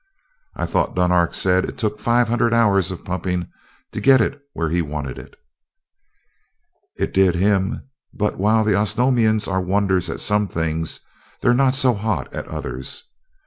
I thought Dunark said it took five hundred hours of pumping to get it where he wanted it?" "It did him but while the Osnomians are wonders at some things, they're not so hot at others.